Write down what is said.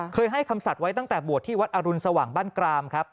ให้คำสัตว์ไว้ตั้งแต่บวชที่วัดอรุณสว่างบ้านกรามครับ